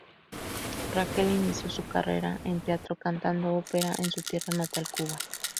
Raquel inició su carrera en teatro cantando ópera en su tierra natal Cuba.